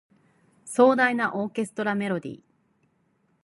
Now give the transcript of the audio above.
壮大なオーケストラメロディ